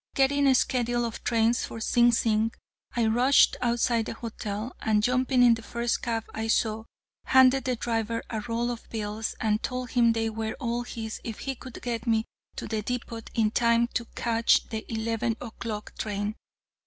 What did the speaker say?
Getting a schedule of trains for Sing Sing, I rushed outside the hotel, and, jumping in the first cab I saw, handed the driver a roll of bills, and told him they were all his if he could get me to the depot in time to catch the eleven o'clock train.